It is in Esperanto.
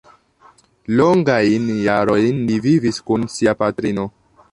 Longajn jarojn li vivis kun sia patrino.